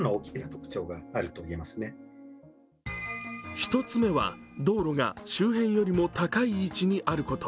１つ目は、道路が周辺よりも高い位置にあること。